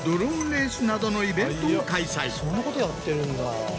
そんなことやってるんだ。